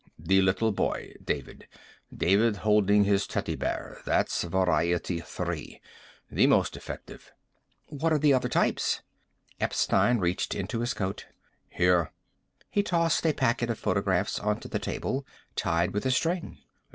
"The little boy. David. David holding his teddy bear. That's Variety Three. The most effective." "What are the other types?" Epstein reached into his coat. "Here." He tossed a packet of photographs onto the table, tied with a string.